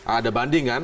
ada banding kan